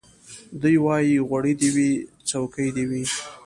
دی وايي غوړي دي وي څوکۍ دي وي